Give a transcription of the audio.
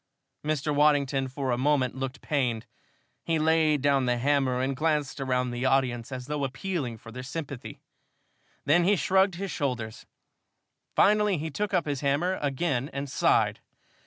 Mr. Waddington for a moment looked pained. He laid down the hammer and glanced around through the audience, as though appealing for their sympathy. Then he shrugged his shoulders. Finally, he took up his hammer again and sighed.